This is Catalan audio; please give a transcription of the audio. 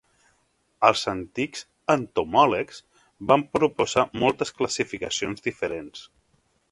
Els antics entomòlegs van proposar moltes classificacions diferents.